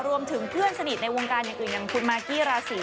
รวมถึงเพื่อนสนิทในวงการอย่างอื่นอย่างคุณมากกี้ราศี